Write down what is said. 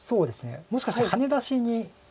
もしかしてハネ出しに。